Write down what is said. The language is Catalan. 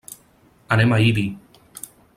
Anem a Ibi.